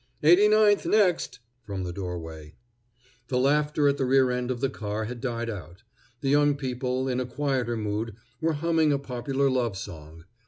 "Eighty ninth next!" from the doorway. The laughter at the rear end of the car had died out. The young people, in a quieter mood, were humming a popular love song.